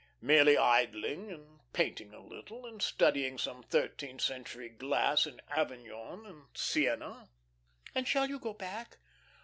Merely idling, and painting a little, and studying some thirteenth century glass in Avignon and Sienna." "And shall you go back?"